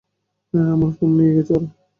আমার ফোন নিয়ে গেছে ওরা।